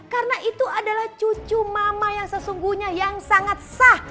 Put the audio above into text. karena itu adalah cucu mama yang sesungguhnya yang sangat sah